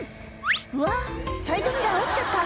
うわっ、サイドミラー折っちゃった。